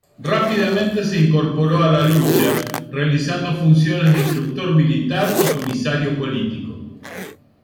Rápidamente se incorporó a la lucha, realizando funciones de instructor militar y comisario político.